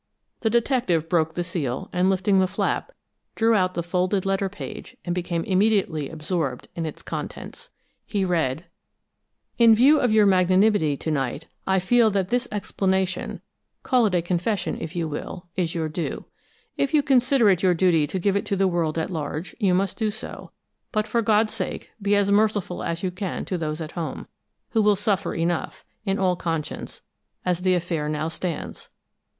The detective broke the seal, and lifting the flap, drew out the folded letter page and became immediately absorbed in its contents. He read: In view of your magnanimity to night, I feel that this explanation call it a confession, if you will is your due. If you consider it your duty to give it to the world at large, you must do so, but for God's sake be as merciful as you can to those at home, who will suffer enough, in all conscience, as the affair now stands.